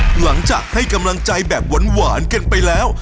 หลังจากให้กำลังใจแบบหวานกันไปแล้ว